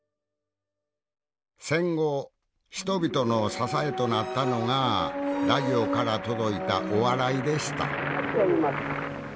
戦後人々の支えとなったのがラジオから届いたお笑いでした